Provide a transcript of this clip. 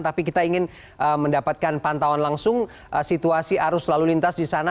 tapi kita ingin mendapatkan pantauan langsung situasi arus lalu lintas di sana